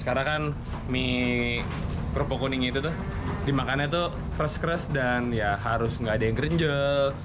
karena kan mie kerupuk kuning itu tuh dimakannya tuh keras keras dan ya harus gak ada yang gerinjel